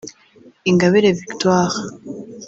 Ingabire Victoire